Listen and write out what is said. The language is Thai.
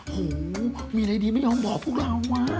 โหมีอะไรดีไม่ยอมบอกพวกเราวะ